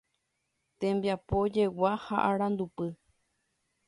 Tembiapojegua ha Arandupy